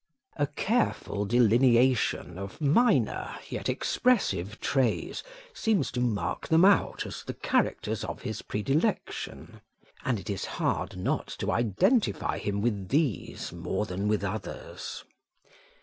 A careful delineation of minor, yet expressive traits seems to mark them out as the characters of his predilection; and it is hard not to identify him with these more than with others.